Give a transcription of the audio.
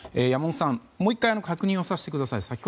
山本さん、もう１回確認させてください。